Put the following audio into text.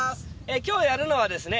今日やるのはですね